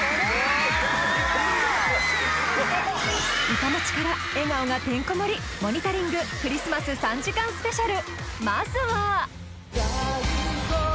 「歌のチカラ・笑顔がてんこ盛りモニタリングクリスマス３時間スペシャル」